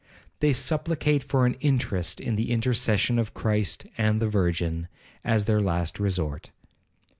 They supplicate for an interest in the intercession of Christ and the Virgin, as their last resort.